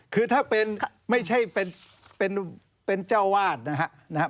คือถ้าเป็นไม่ใช่เป็นเจ้าวาดนะครับ